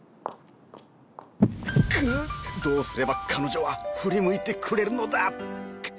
くぅどうすれば彼女は振り向いてくれるのだ！